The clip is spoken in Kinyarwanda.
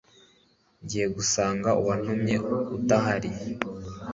ngiye gusanga uwantumye adahari